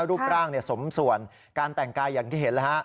รูปร่างสมส่วนการแต่งกายอย่างที่เห็นแล้วฮะ